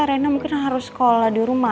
rena mungkin harus sekolah di rumah